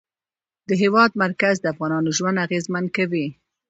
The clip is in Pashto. د هېواد مرکز د افغانانو ژوند اغېزمن کوي.